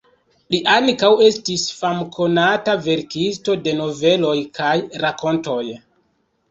Li ankaŭ estis famkonata verkisto de noveloj kaj rakontoj.